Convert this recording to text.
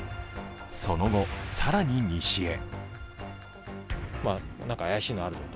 その後、更に西へ。